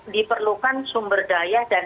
diperlukan sumber daya dan